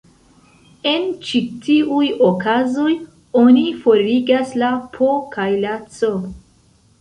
En ĉi tiuj okazoj, oni forigas la "P" kaj la "C".